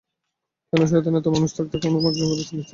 কেন শয়তান এত মানুষ থাকতে কোনও একজনকেই বেছে নিচ্ছে?